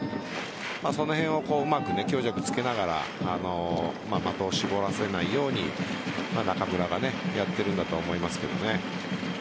その辺をうまく強弱つけながら的を絞らせないように中村がやっているんだと思います。